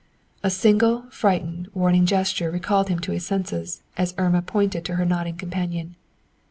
A single frightened, warning gesture recalled him to his senses, as Irma pointed to her nodding companion.